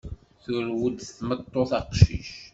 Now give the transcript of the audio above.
Turew-d tmeṭṭut aqcic.